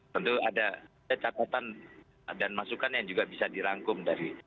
tentu ada catatan dan masukan yang juga bisa dirangkum dari